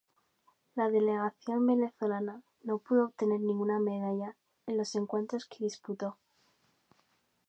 La delegación venezolana no pudo obtener ninguna medalla en los encuentros que disputó.